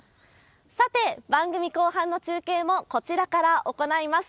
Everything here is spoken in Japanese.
さて、番組後半の中継も、こちらから行います。